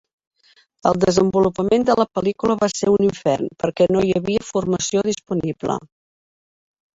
El desenvolupament de la pel·lícula va ser un infern perquè no hi havia formació disponible.